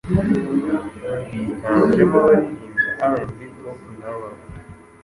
biganjemo abaririmba Rnb Pop na Rap